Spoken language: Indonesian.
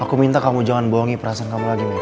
aku minta kamu jangan bohongi perasaan kamu lagi